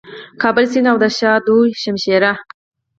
کابل سیند او د شاه دو شمشېره